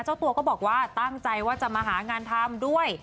เจ้าตัวก็บอกว่าตั้งใจว่าจะมาหางานทำด้วย